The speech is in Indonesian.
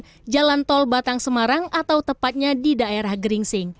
spklu km tiga ratus tujuh puluh sembilan jalan tol batang semarang atau tepatnya di daerah geringsing